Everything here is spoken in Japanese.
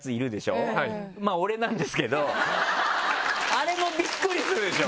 あれもびっくりするでしょ？